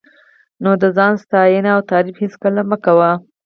نو د ځان ستاینه او تعریف هېڅکله مه کوه.